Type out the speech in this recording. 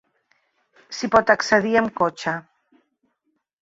S'hi pot accedir amb cotxe.